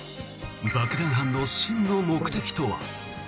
爆弾犯の真の目的とは。